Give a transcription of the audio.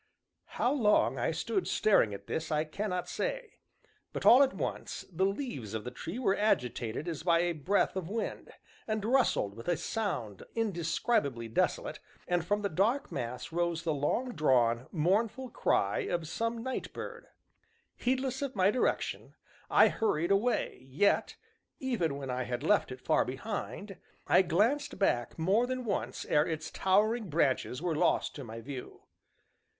How long I stood staring at this, I cannot say, but, all at once, the leaves of the tree were agitated as by a breath of wind, and rustled with a sound indescribably desolate, and from the dark mass rose the long drawn, mournful cry of some night bird. Heedless of my direction, I hurried away, yet, even when I had left it far behind, I glanced back more than once ere its towering branches were lost to my view.